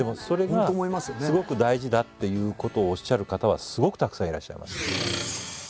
それがすごく大事だっていうことをおっしゃる方はすごくたくさんいらっしゃいます。